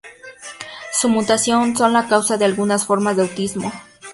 Su mutación son la causa de algunas formas de autismo.